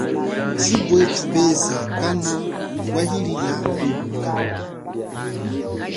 Chibwe thubeza kana wahilila kwehuka.